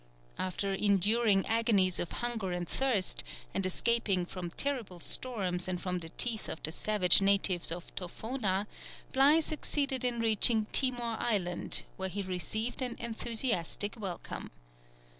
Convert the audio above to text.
After enduring agonies of hunger and thirst, and escaping from terrible storms and from the teeth of the savage natives of Tofona, Bligh succeeded in reaching Timor Island, where he received an enthusiastic welcome.